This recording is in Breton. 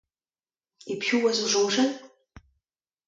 E piv e oas o soñjal ?